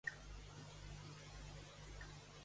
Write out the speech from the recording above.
M'agradaria fer una partida a l'"Among us".